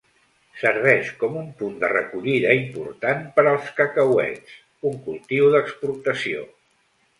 Serveix com un punt de recollida important per als cacauets, un cultiu d'exportació.